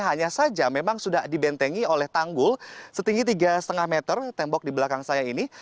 hanya saja memang sudah dibentengi oleh tanggul setinggi tiga lima meter tembok di belakang saya ini